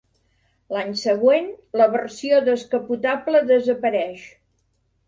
L'any següent, la versió descapotable desapareix.